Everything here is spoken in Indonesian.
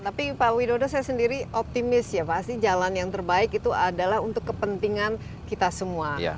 tapi pak widodo saya sendiri optimis ya pasti jalan yang terbaik itu adalah untuk kepentingan kita semua